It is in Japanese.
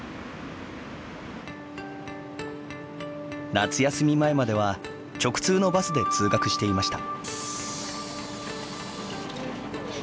夏休み前までは直通のバスで通学していました。